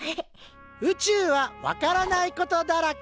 宇宙は分からないことだらけ。